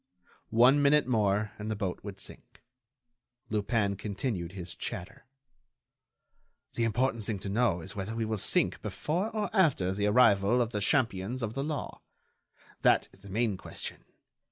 One minute more and the boat will sink. Lupin continued his chatter: "The important thing to know is whether we will sink before or after the arrival of the champions of the law. That is the main question.